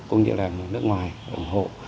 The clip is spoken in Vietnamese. cũng như là nước ngoài ủng hộ